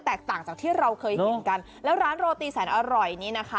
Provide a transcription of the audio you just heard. ต่างจากที่เราเคยเห็นกันแล้วร้านโรตีแสนอร่อยนี้นะคะ